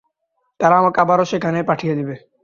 তারা আমাকে আবারো সেখানেই পাঠিয়ে দিবে।